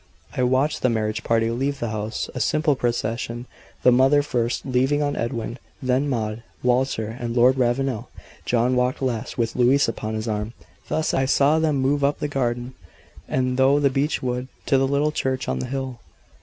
I watched the marriage party leave the house. A simple procession the mother first, leaning on Edwin; then Maud, Walter, and Lord Ravenel; John walked last, with Louise upon his arm. Thus I saw them move up the garden, and through the beech wood, to the little church on the hill.